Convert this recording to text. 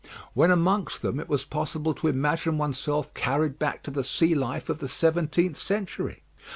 When amongst them, it was possible to imagine oneself carried back to the sea life of the seventeenth century.